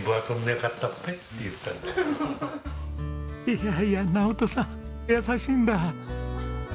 いやいや直登さん優しいんだ。